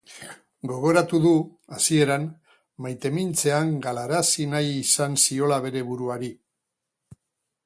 Gogoratu du, hasieran, maitemintzea galarazi nahi izan ziola bere buruari.